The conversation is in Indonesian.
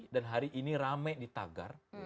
dan hari ini rame di tagar